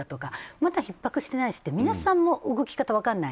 またひっ迫してないしってみなさんも動き方分からない。